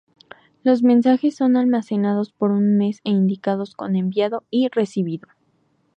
Los mensajes son almacenados por un mes e indicados con "enviado" y "recibido".